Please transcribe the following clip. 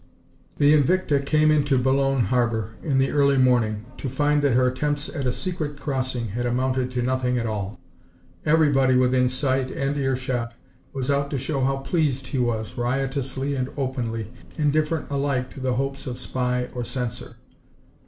THE Invicta came into Boulogne harbor in the early morning, to find that her attempts at a secret crossing had amounted to nothing at all. Everybody within sight and ear shot was out to show how pleased he was, riotously and openly, indifferent alike to the hopes of spy or censor.